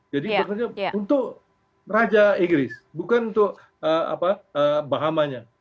jadi itu untuk raja inggris bukan untuk bahamanya